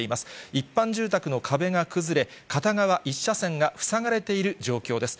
一般住宅の壁が崩れ、片側１車線が塞がれている状況です。